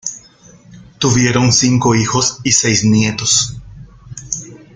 Tuvieron cinco hijos y seis nietos.